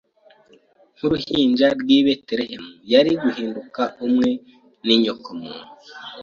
Nk’uruhinja rw’i Beterehemu, yari guhinduka umwe n’inyokomuntu;